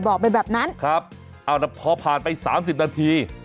บอกไปแบบนั้นครับเอาแล้วพอผ่านไปสามสิบนาที